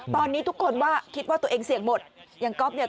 ตอนนี้ทุกคนว่าคิดว่าตัวเองเสี่ยงหมดอย่างก๊อฟเนี่ย